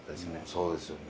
そうですよね。